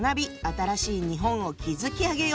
新しい日本を築き上げよう！」。